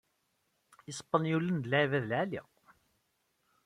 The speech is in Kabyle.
Ispenyulen d lɛibad n lɛali.